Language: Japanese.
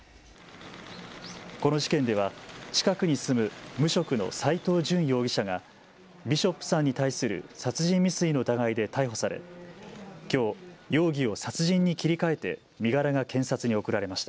この事件では近くに住む無職の斎藤淳容疑者がビショップさんに対する殺人未遂の疑いで逮捕されきょう容疑を殺人に切り替えて身柄が検察に送られました。